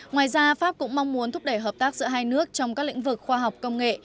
ngoài ra pháp cũng mong muốn thúc đẩy hợp tác giữa hai nước trong các lĩnh vực khoa học công nghệ